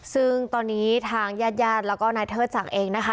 ซึ่งตอนนี้ทางยาดแล้วก็นายเทิดสังเองนะคะ